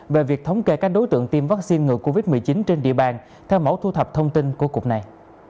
về việc thống kê các đối tượng tiêm vaccine ngừa covid một mươi chín trên địa bàn theo mẫu thu thập thông tin của cục này